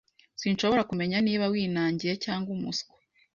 Sinshobora kumenya niba winangiye cyangwa umuswa.